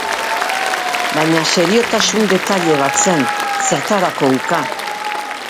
Baina seriotasun-detaile bat zen, zertarako uka.